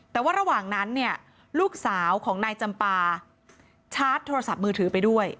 แต่ว่าระหว่างนั้นเนี่ยลูกสาวของนายจำปาชาร์จโทรศัพท์มือถือไปด้วย